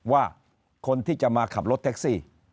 ว่าคนที่จะมาขับรถแท็กซี่